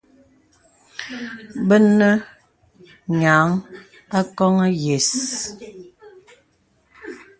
Bə nə nyéaŋ akɔŋɔ yə̀s.